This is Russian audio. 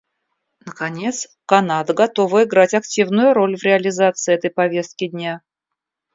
Наконец, Канада готова играть активную роль в реализации этой повестки дня.